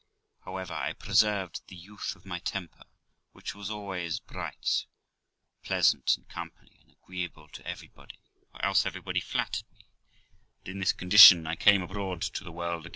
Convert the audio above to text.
However, I preserved the youth of my temper, was always bright, pleasant in company, and agreeable to everybody, or else everybody flattered me; and in this condition I came abroad to the world again.